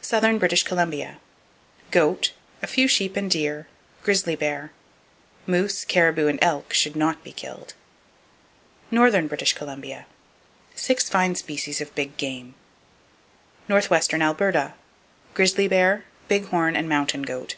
Southern British Columbia : Goat, a few sheep and deer; grizzly bear. Moose, caribou and elk should not be killed. Northern British Columbia : Six fine species of big game. Northwestern Alberta : Grizzly bear, big horn and mountain goat.